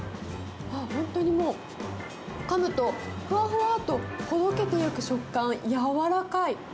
本当にもう、かむとふわふわっととろけていく食感、柔らかい。